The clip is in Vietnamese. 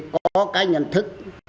có cái nhận thức